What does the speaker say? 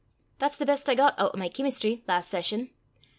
That's the best I got oot o' my cheemistry last session.